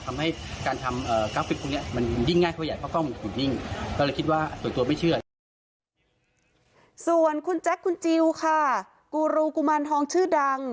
ทำให้การทำกล้องเป็นตรงนี้มันดิ้งง่ายขวาใหญ่เพราะกล้องมันถูกนิ่ง